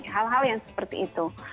hal hal yang seperti itu